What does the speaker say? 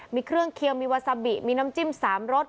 มีเครื่องเคียงมีวาซาบิมีน้ำจิ้ม๓รส